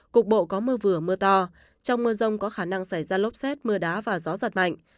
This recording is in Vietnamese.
cục bộ có mưa vừa mưa to trong mưa rông có khả năng xảy ra lốc xét mưa đá và gió giật mạnh